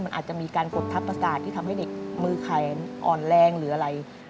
มันอาจจะมีการกดทับอากาศที่ทำให้เด็กมือไขมันอ่อนแรงหรืออะไร